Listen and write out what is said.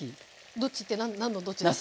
どっちって何のどっちですか？